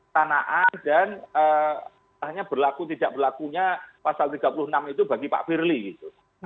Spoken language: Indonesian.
tanahan dan tanya berlaku tidak berlakunya pasal tiga puluh enam itu bagi pak firly gitu